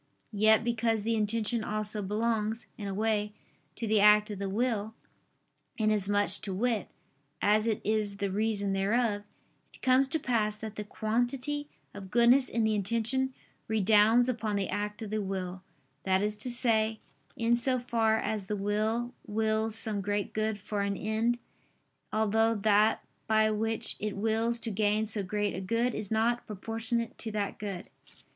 Yet because the intention also belongs, in a way, to the act of the will, inasmuch, to wit, as it is the reason thereof; it comes to pass that the quantity of goodness in the intention redounds upon the act of the will; that is to say, in so far as the will wills some great good for an end, although that by which it wills to gain so great a good, is not proportionate to that good.